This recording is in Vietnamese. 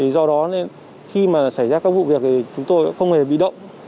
do đó nên khi mà xảy ra các vụ việc thì chúng tôi cũng không hề bị động